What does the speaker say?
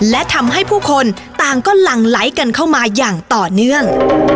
และทำให้ผู้คนต่างก็หลั่งไหลกันเข้ามาอย่างต่อเนื่อง